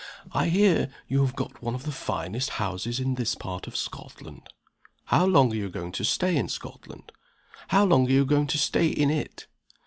I hear you have got one of the finest houses in this part of Scotland. How long are you going to stay in Scotland? How long are you going to stay in it?"